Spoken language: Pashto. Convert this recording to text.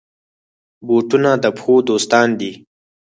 بوټونه د پښو دوستان دي.